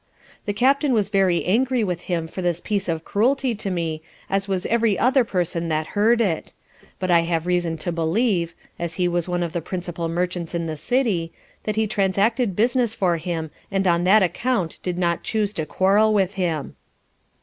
The Captain was very angry with him for this piece of cruelty to me, as was every other person that heard it. But I have reason to believe (as he was one of the Principal Merchants in the city) that he transacted business for him and on that account did not chuse to quarrel with him.